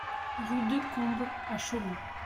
Rue Decomble à Chaumont